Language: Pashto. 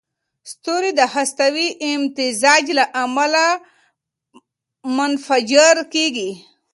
ستوري د هستوي امتزاج له امله منفجر کېږي.